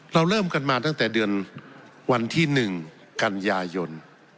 เราเริ่มกันมาตั้งแต่เดือนวันที่๑กันยายน